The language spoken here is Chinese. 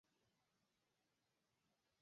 是寒士韩翃与李生之婢妾柳氏的故事。